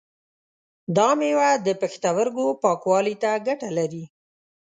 دا مېوه د پښتورګو پاکوالی ته ګټه لري.